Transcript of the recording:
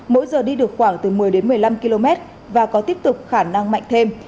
mỗi giờ đi được khoảng từ một mươi đến một mươi năm km và có tiếp tục khả năng mạnh thêm